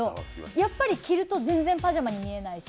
やっぱり着ると、全然パジャマに見えないし。